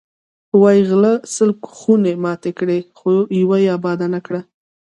وایی غله سل خونې ماتې کړې، خپله یوه یې اباده نه کړه.